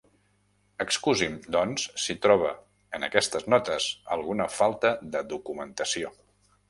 Excusi'm, doncs, si troba en aquestes notes alguna falta de documentació».